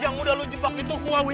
yang udah lo jebak itu gue wil